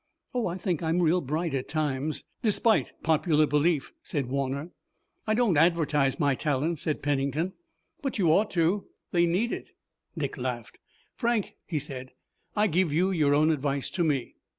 "Oh, I think I'm real bright at times." "Despite popular belief," said Warner. "I don't advertise my talents," said Pennington. "But you ought to. They need it." Dick laughed. "Frank," he said, "I give you your own advice to me.